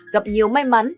gặp nhiều may mắn